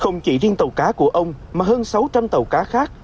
nhưng tàu cá của ông mà hơn sáu trăm linh tàu cá khác